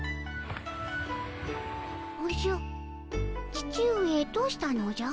父上どうしたのじゃ？